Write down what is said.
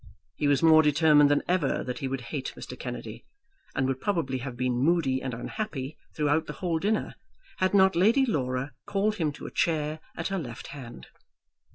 He was more determined than ever that he would hate Mr. Kennedy, and would probably have been moody and unhappy throughout the whole dinner had not Lady Laura called him to a chair at her left hand.